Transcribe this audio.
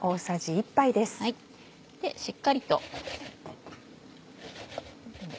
しっかりと。